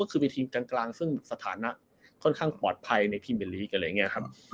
ก็คือมีทีมกลางซึ่งสถานะค่อนข้างปลอดภัยในพรีเมลีกอะไรอย่างนี้ครับ